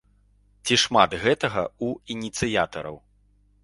Ці шмат гэтага ў ініцыятараў?